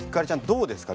どうですか？